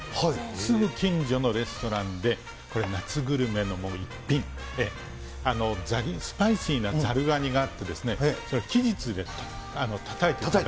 すぐ近所のレストランで、これ、夏グルメのもう逸品、スパイシーなザリガニがあって、木づちでたたいて。